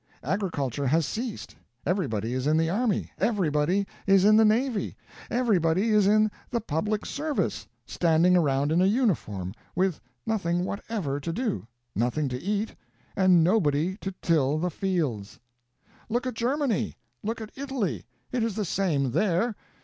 Agriculture has ceased. Everybody is in the army, everybody is in the navy, everybody is in the public service, standing around in a uniform, with nothing whatever to do, nothing to eat, and nobody to till the fields " "Look at Germany; look at Italy. It is the same there.